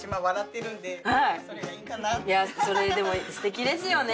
それでもすてきですよね。